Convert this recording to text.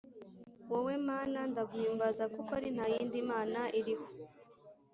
Wowe mana ndaguhimbaza kuko ari ntayindi mana iriho